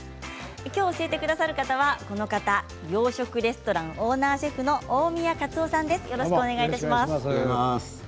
きょう教えてくださる方はこの方洋食レストランオーナーシェフの大宮勝雄さんです。